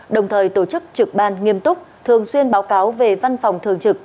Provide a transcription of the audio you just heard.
đồng thời tổ chức trực ban nghiêm túc thường xuyên báo cáo về văn phòng thường trực